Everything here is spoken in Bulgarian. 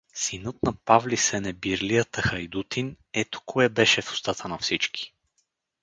Синът на Павли Сенебирлията хайдутин — ето кое беше в устата на всички!